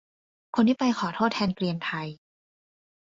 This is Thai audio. คนที่ไปขอโทษแทนเกรียนไทย